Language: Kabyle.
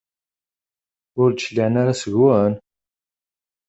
Ur d-cliɛen ara seg-wen?